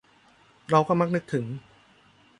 เราก็มักนึกถึง